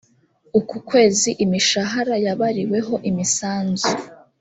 uku ukwezi imishahara yabariweho imisanzu